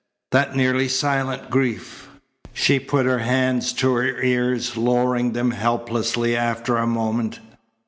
"That nearly silent grief?" She put her hands to her ears, lowering them helplessly after a moment.